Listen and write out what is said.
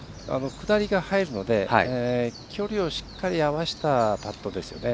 下りが入るので距離をしっかり合わせたパットですよね。